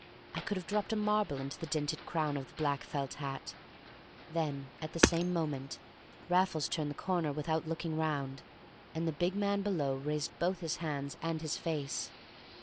I could have dropped a marble into the dinted crown of the black felt hat. Then, at the same moment, Raffles turned the corner without looking round, and the big man below raised both his hands and his face.